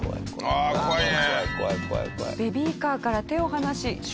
ああ怖いね！